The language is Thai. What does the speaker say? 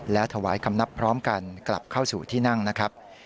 และถวายคำนับพร้อมกันกลับเข้าสู่ที่นั่งนะครับ